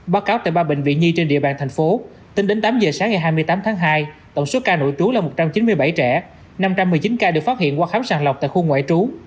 báo cáo tại ba bệnh viện nhi trên địa bàn thành phố tính đến tám giờ sáng ngày hai mươi tám tháng hai tổng số ca nội trú là một trăm chín mươi bảy trẻ năm trăm một mươi chín ca được phát hiện qua khám sàng lọc tại khu ngoại trú